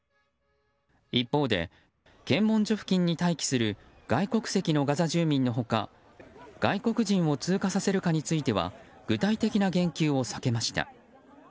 一方で、検問所付近に待機する外国籍のガザ住民の他外国人を通過させるかについては具体的な言及を避けました。